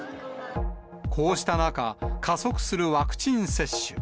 こうした中、加速するワクチン接種。